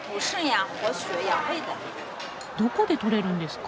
どこで採れるんですか？